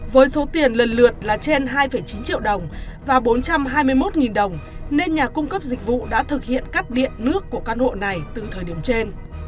với số tiền lần lượt là trên hai chín triệu đồng và bốn trăm hai mươi một đồng nên nhà cung cấp dịch vụ đã thực hiện cắt điện nước của căn hộ này từ thời điểm trên